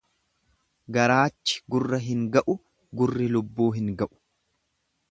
Garaachi gurra hin ga'u gurri lubbuu hin ga'u.